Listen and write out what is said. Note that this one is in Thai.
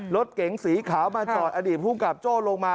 รถเก๋งสีขาวมาจอดอดีตภูมิกับโจ้ลงมา